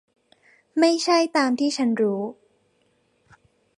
ไม่ใช่ตามที่ฉันรู้